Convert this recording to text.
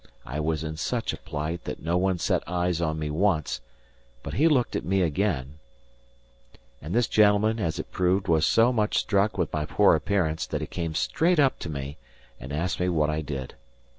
I was in such a plight that no one set eyes on me once, but he looked at me again; and this gentleman, as it proved, was so much struck with my poor appearance that he came straight up to me and asked me what I did.